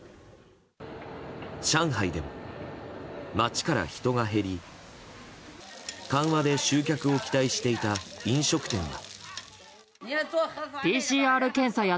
上海でも街から人が減り緩和で集客を期待していた飲食店は。